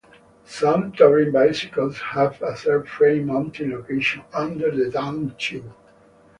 Some touring bicycles have a third frame mounting location: under the downtube.